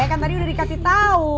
kan tadi sudah dikasih tahu